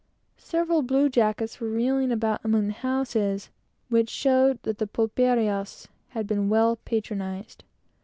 Several blue jackets were reeling about among the houses, which showed that the pulperias had been well patronized.